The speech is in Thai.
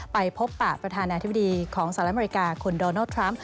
ไปพบปะประธานาธิบดีของสหรัฐอเมริกาคุณโดนัลดทรัมป์